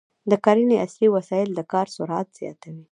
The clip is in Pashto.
د کرنې عصري وسایل د کار سرعت زیاتوي.